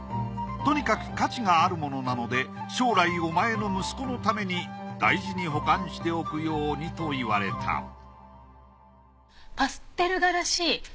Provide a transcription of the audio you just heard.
とにかく価値があるものなので将来お前の息子のために大事に保管しておくようにと言われたパステル画らしい。